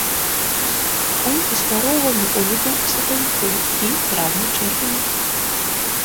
Гон і спароўванне ў лютым-сакавіку і траўні-чэрвені.